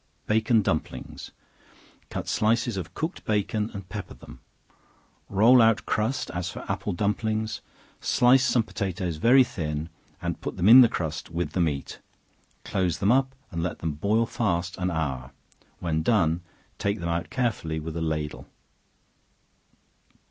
Bacon Dumplings. Cut slices of cooked bacon, and pepper them; roll out crust as for apple dumplings; slice some potatoes very thin, and put them in the crust with the meat; close them up, and let them boil fast an hour; when done, take them out carefully with a ladle.